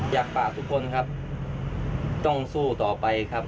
อยากฝากทุกคนครับต้องสู้ต่อไปครับ